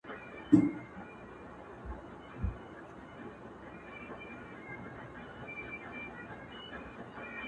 o ژوند سرینده نه ده، چي بیا یې وږغوم،